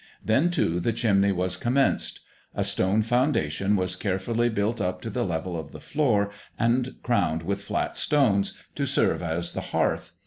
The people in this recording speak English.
Then, too, the chimney was commenced. A stone foundation was carefully built up to the level of the floor and crowned with flat stones, to serve as the hearth.